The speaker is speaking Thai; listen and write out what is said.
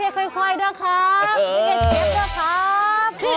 ไม่เป็นเก็บด้วยครับ